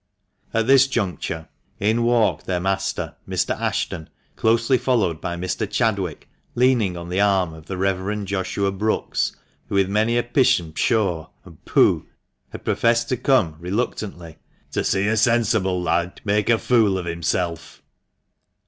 At this juncture in walked their master, Mr. Ashton, closely followed by Mr. Chadwick, leaning on the arm of the Rev. Joshua Brookes, who with many a " pish " and " pshaw !" and " pooh !" had professed to come reluctantly " to see a sensible lad make a fool of himself."